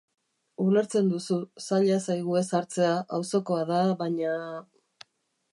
Ulertzen duzu, zaila zaigu ez hartzea, auzokoa da, baina...